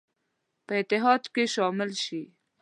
په اتحاد کې شامل شي.